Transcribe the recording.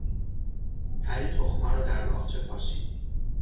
پری تخمها را در باغچه پاشید.